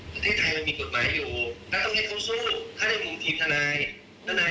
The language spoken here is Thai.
ประเทศไทยมันมีกฎหมายอยู่แล้วต้องให้เขาสู้ถ้าได้มุมทีมทนาย